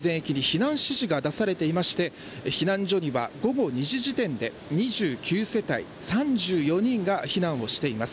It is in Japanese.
枕崎市では今朝、市内全域に避難指示が出されていて避難所には午後２時時点で２９世帯３４人が避難をしています。